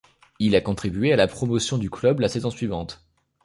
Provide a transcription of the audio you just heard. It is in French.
Il a contribué à la promotion du club la saison suivante.